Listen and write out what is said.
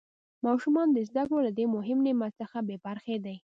ماشومان د زده کړو له دې مهم نعمت څخه بې برخې دي.